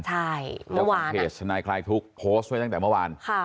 ใช่แล้วทางเพจทนายคลายทุกข์โพสต์ไว้ตั้งแต่เมื่อวาน